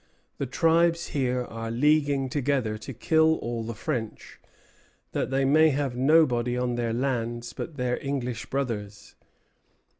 The tribes here are leaguing together to kill all the French, that they may have nobody on their lands but their English brothers.